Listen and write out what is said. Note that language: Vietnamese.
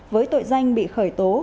với tội danh bị khởi tố